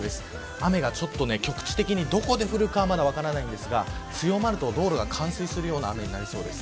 雨が局地的にどこ降るかはまだ分かりませんが強まると、道路が冠水するような雨になりそうです。